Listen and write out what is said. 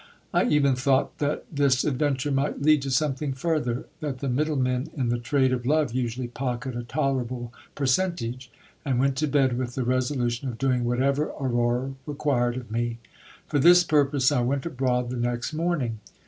I even thought that this adventure might lead to something further ; that the middle men in the trade of love usually pocket atolerable per centage ; and went to bed with the resolu tion of doing whatever Aurora required of me. For this purpose I went abroad th i next morning.